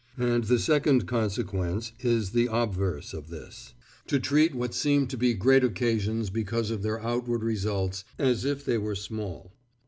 And the second consequence is the obverse of this: To treat what seem to be great occasions because of their outward results, as if they were small.